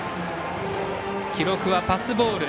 記録はパスボール。